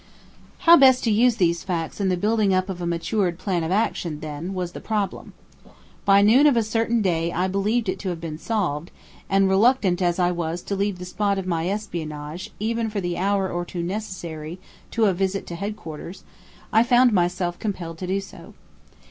How best to use these facts in the building up of a matured plan of action, was, then, the problem. By noon of a certain day I believed it to have been solved, and reluctant as I was to leave the spot of my espionage even for the hour or two necessary to a visit to headquarters, I found myself compelled to do so.